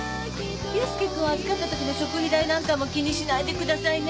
佑介君を預かったときの食費代なんかも気にしないでくださいね。